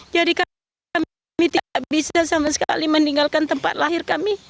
jadi kami tidak bisa sama sekali meninggalkan tempat lahir kami